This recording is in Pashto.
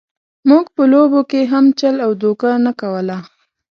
موږ په لوبو کې هم چل او دوکه نه کوله.